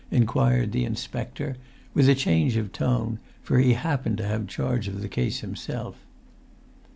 inquired the inspector, with a change of tone, for he happened to have charge of the case himself.